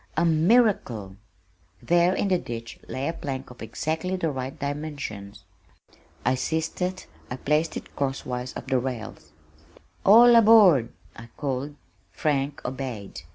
A miracle! There in the ditch lay a plank of exactly the right dimensions. I seized it, I placed it cross wise of the rails. "All aboard," I called. Frank obeyed.